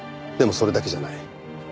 でもそれだけじゃない。